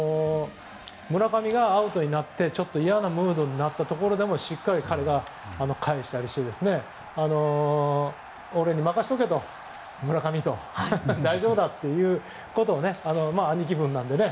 村上がアウトになって嫌なムードになったところでもしっかり彼が返したりして俺に任せておけ村上と大丈夫だということを兄貴分なのでね。